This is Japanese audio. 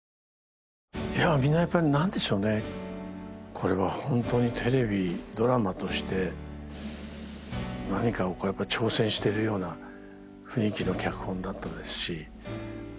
これは本当にテレビドラマとして何か挑戦しているような雰囲気の脚本だったですしま